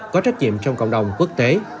có trách nhiệm trong cộng đồng quốc tế